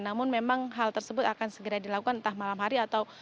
namun memang hal tersebut akan segera dilakukan entah malam hari atau